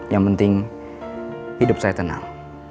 yang penting hidup saya tenang